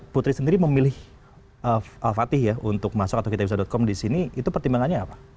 putri sendiri memilih al fatih ya untuk masuk atau kitabisa com di sini itu pertimbangannya apa